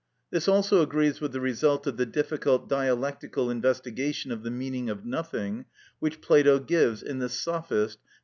This also agrees with the result of the difficult dialectical investigation of the meaning of nothing which Plato gives in the "Sophist" (pp.